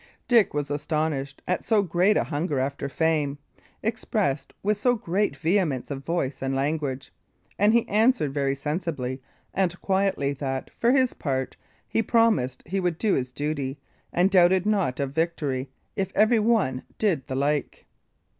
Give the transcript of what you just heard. Dick was astonished at so great a hunger after fame, expressed with so great vehemence of voice and language, and he answered very sensibly and quietly, that, for his part, he promised he would do his duty, and doubted not of victory if everyone did the like.